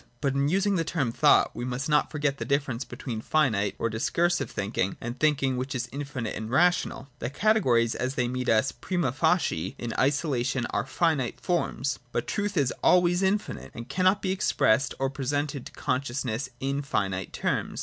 But in using the term thought we must not forget the difference between finite or discursive thinking and the thinking which is infinite and rational. The categories, as they meet ViS prima facie and in isolation, are finite forms. But truth is always infinite, and cannot be expressed or presented to consciousness in finite terms.